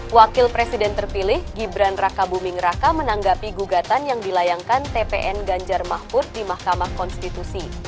wakil presiden terpilih gibran raka buming raka menanggapi gugatan yang dilayangkan tpn ganjar mahfud di mahkamah konstitusi